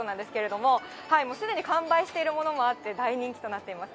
もうすでに完売しているものもあって大人気となっています。